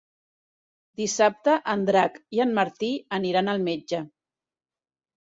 Dissabte en Drac i en Martí aniran al metge.